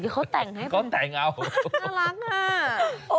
อยู่ตามวันใดมานออกไต้